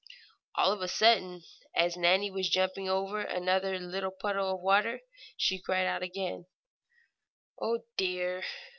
All of a sudden, as Nannie was jumping over another little puddle of water, she cried out again: "Oh, dear!"